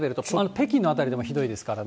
北京の辺りでもひどいですからね。